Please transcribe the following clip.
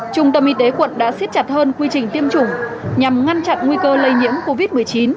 trung tâm y tế quận đã xiết chặt hơn quy trình tiêm chủng nhằm ngăn chặn nguy cơ lây nhiễm covid một mươi chín